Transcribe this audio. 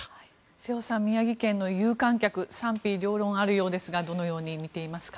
瀬尾さん、宮城県の有観客賛否両論あるようですがどう見ていますか？